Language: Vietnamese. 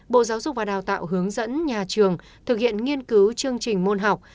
bộ giáo dục và đào tạo hướng dẫn nhà trường thực hiện nghiên cứu chương trình môn học